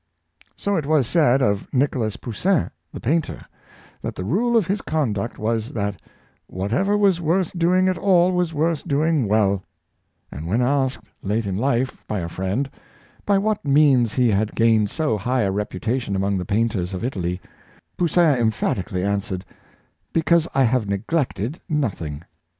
So it was said of Nicolas Poussin, the painter, that the rule of his conduct was, that " whatever was worth doing at all was worth doing well; " and when asked, late in life, by a friend, by what means he had gained so high a reputation among the painters of Italy, Poussin em phatically answered, " Because I have neglected noth ing."